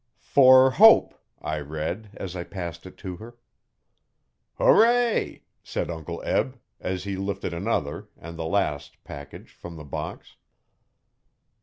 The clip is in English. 'For Hope,' I read, as I passed it to her. 'Hooray!' said Uncle Eb, as he lifted another, and the last package, from the box.